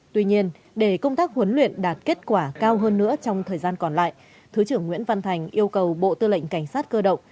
tuy nhiên để công tác huấn luyện đạt kết quả cao hơn nữa trong thời gian còn lại thứ trưởng nguyễn văn thành yêu cầu bộ tư lệnh cảnh sát cơ động